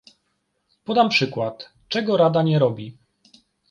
Podam przykład, czego Rada nie robi